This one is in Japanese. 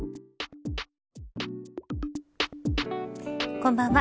こんばんは。